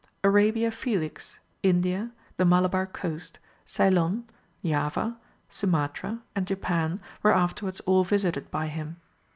Arabia Felix, India, the Malabar Coast, Ceylon, Java, Sumatra, and Japan were afterwards all visited by him.